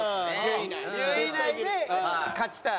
１０位以内で勝ちたい。